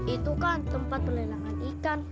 itu kan tempat pelelangan ikan